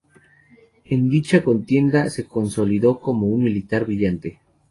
En dicha contienda se consolidó como un militar brillante.